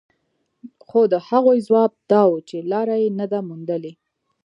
خو د هغوی ځواب دا و چې لاره يې نه ده موندلې.